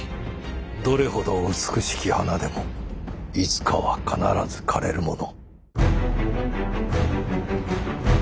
どれほど美しき花でもいつかは必ず枯れるもの。